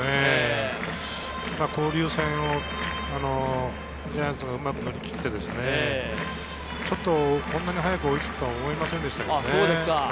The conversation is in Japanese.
交流戦をジャイアンツがうまく乗り切って、ちょっとこんなに早く追いつくとは思いませんでしたけどね。